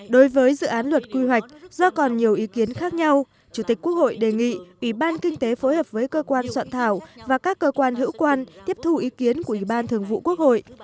đối với dự án luật quy hoạch do còn nhiều ý kiến khác nhau chủ tịch quốc hội đề nghị ủy ban kinh tế phối hợp với cơ quan soạn thảo và các cơ quan hữu quan tiếp thu ý kiến của ủy ban thường vụ quốc hội